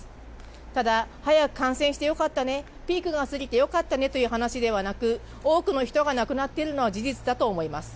ただ、早く感染してよかったね、ピークが過ぎてよかったねという話ではなく、多くの人が亡くなっているのは事実だと思います。